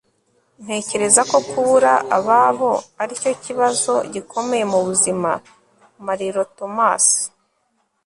ntekereza ko kubura ababo ari cyo kibazo gikomeye mu buzima - marlo thomas